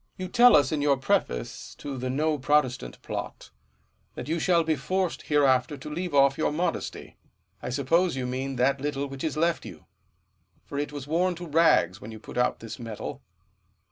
You tell us in your preface to the "No Protestant Plot," 1 that you shall be forced hereafter to leave off your modesty : I suppose you mean that little which is left you ; for it was worn to rags when you put out this Medal.